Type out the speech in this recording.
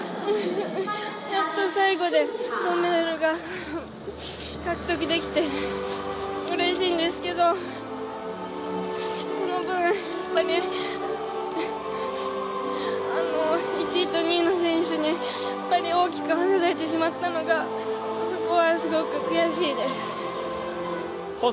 ちゃんと最後で銅メダルが獲得できてうれしいんですけどその分、１位と２位の選手に大きく離れてしまったのがそこはすごく悔しいです。